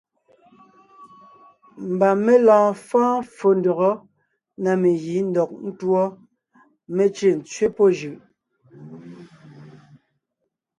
Mbà mé lɔɔn fɔ́ɔn ffó ndÿɔgɔ́ na megǐ ńdɔg ńtuɔ, mé cʉ́ʼ ńtsẅé pɔ́ jʉʼ.